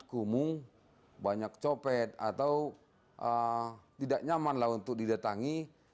kumuh banyak copet atau tidak nyaman lah untuk didatangi